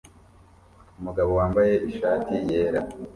Umugabo wambaye ishati year